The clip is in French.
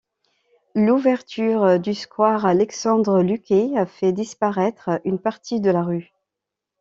L'ouverture du square Alexandre-Luquet a fait disparaitre une partie de la rue.